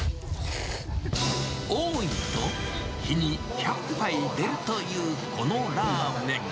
多い日だと日に１００杯出るというこのラーメン。